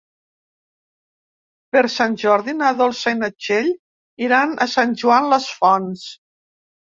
Per Sant Jordi na Dolça i na Txell iran a Sant Joan les Fonts.